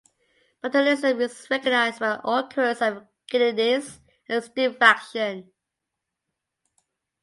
Botulism is recognized by the occurrence of giddiness and stupefaction.